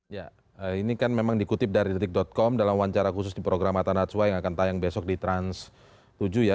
ya ini kan memang dikutip dari detik com dalam wawancara khusus di program mata najwa yang akan tayang besok di trans tujuh ya